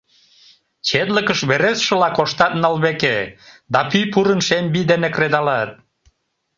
Четлыкыш верештшыла коштат ныл веке Да пӱй пурын шем вий дене кредалат.